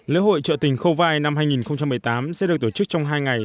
lễ hội trợ tình khâu vai năm hai nghìn một mươi tám sẽ được tổ chức trong hai ngày